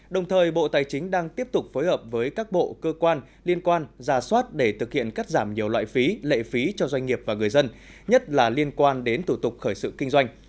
đồng thời bộ tài chính đang tiếp tục phối hợp với các bộ cơ quan liên quan ra soát để thực hiện cắt giảm nhiều loại phí lệ phí cho doanh nghiệp và người dân nhất là liên quan đến thủ tục khởi sự kinh doanh